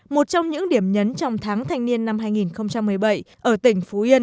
một trong những điểm nhấn trong tháng thanh niên năm hai nghìn một mươi bảy ở tỉnh phú yên